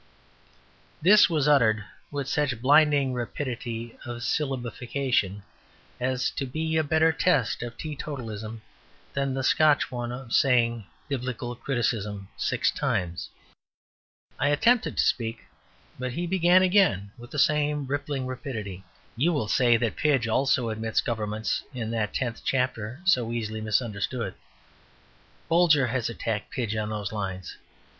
This was uttered with such blinding rapidity of syllabification as to be a better test of teetotalism than the Scotch one of saying "Biblical criticism" six times. I attempted to speak, but he began again with the same rippling rapidity. "You will say that Pidge also admits government in that tenth chapter so easily misunderstood. Bolger has attacked Pidge on those lines.